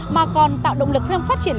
mà còn tạo động lực phát triển